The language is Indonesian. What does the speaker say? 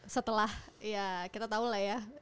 setelah ya kita tau lah ya